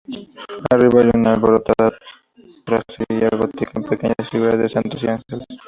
Arriba hay una elaborada tracería gótica con pequeñas figuras de santos y ángeles.